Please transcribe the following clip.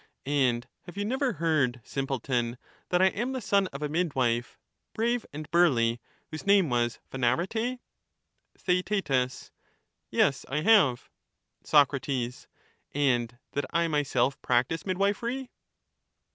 And have you never heard, simpleton, that I am the son of a midwife, brave and burly, whose name was Phaenarete ? Theaet Yes, I have. Soc. And that I myself practise midwifery ?